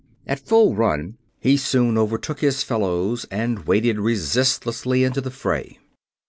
At full run, he soon overtook his fellows, and waded resistlessly into the fray.